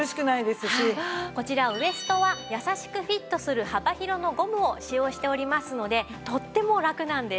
こちらウエストは優しくフィットする幅広のゴムを使用しておりますのでとってもラクなんです。